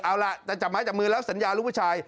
เอาล่ะแต่จับไม้จับมือแล้วสัญญาลูกผู้ชาย